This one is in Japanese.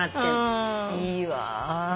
いいわ。